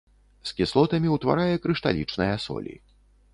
З кіслотамі ўтварае крышталічныя солі.